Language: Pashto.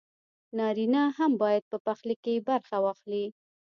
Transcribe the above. نارينه هم بايد په پخلي کښې برخه واخلي